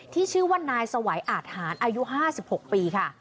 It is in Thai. ชื่อว่านายสวัยอาทหารอายุ๕๖ปีค่ะ